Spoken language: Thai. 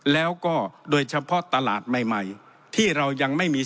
แล้วก็โดยเฉพาะตลาดใหม่ที่เรายังไม่มี